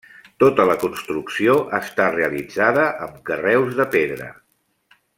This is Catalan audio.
Tota la construcció està realitzada amb carreus de pedra.